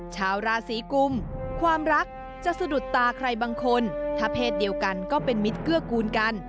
ชาวราศีกุมความรักจะสะดุดตาใครบางคนถ้าเพศเดียวกันก็เป็นมิตรเกื้อกูลกัน